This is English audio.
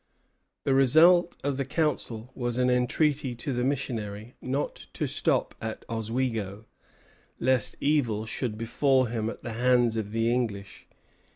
The result of the council was an entreaty to the missionary not to stop at Oswego, lest evil should befall him at the hands of the English.